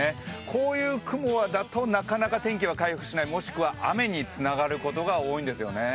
こういう雲だとなかなか天気が回復しない、もしくは雨につながることが多いんですよね。